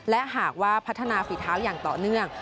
และหากว่าพัฒนาฝีเท้าอย่างต่อเนื่อง